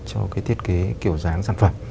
cho cái thiết kế kiểu dáng sản phẩm